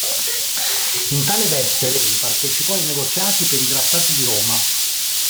In tale veste Rey partecipò ai negoziati per i Trattati di Roma.